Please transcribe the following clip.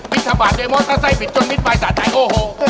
มิธบาทเดี๋ยวมอเตอร์ไซ์ปิดจนมิดภายใส่ไข้โฮ